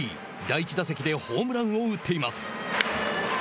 第１打席でホームランを打っています。